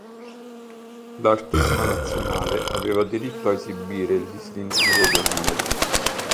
L'artista nazionale aveva diritto a esibire il distintivo d'onore.